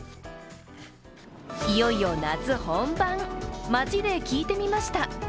いよいよ夏本番、街で聞いてみました。